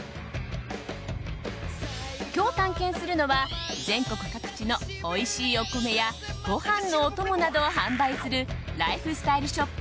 今日、探検するのは全国各地のおいしいお米やご飯のお供などを販売するライフスタイルショップ